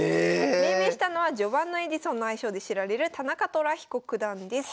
命名したのは「序盤のエジソン」の愛称で知られる田中寅彦九段です。